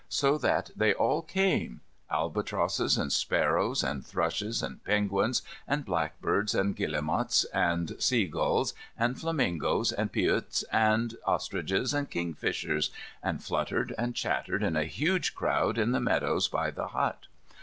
So that they all came albatrosses, and sparrows, and thrushes, and penguins, and blackbirds, and guillemots, and seagulls, and flamingoes, and peewits, and ostriches, and kingfishers and fluttered and chattered in a huge crowd in the meadows by the hut.